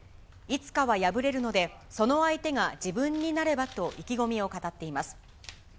いつかは敗れるので、その相手が自分になればと意気込みを語っています。